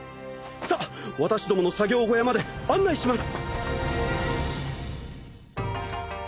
さあ私どもの作業小屋まで案内します。